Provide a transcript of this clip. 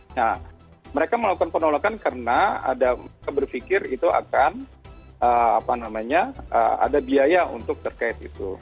nah mereka melakukan penolakan karena ada mereka berpikir itu akan ada biaya untuk terkait itu